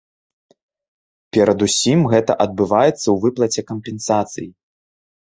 Перадусім гэта адбываецца ў выплаце кампенсацый.